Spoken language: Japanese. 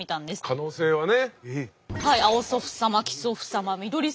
可能性はね。